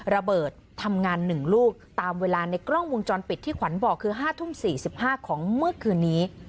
ระเบิดทำงานหนึ่งลูกตามเวลาในกล้องวงจรปิดที่ขวัญบอกคือห้าทุ่มสี่สิบห้าของเมื่อคืนนี้